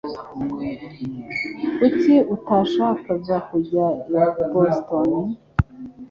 Kuki utashakaga kujya i Boston?